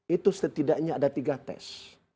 itu setidaknya ada tiga tes